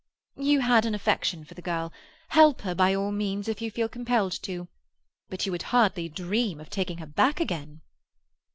"You had an affection for the girl. Help her, by all means, if you feel compelled to. But you would hardly dream of taking her back again?"